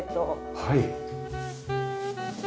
はい。